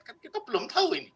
kan kita belum tahu ini